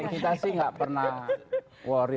kita sih nggak pernah worry